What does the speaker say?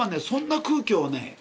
そんな空気をね